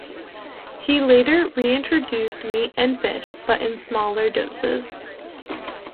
He later reintroduced meat and fish, but in smaller doses.